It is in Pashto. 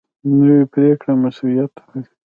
نوې پرېکړه مسؤلیت لري